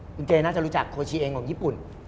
คุณเจน่าจะรู้จักโคชีเองของญี่ปุ่น